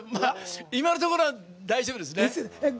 今のところは大丈夫ですね。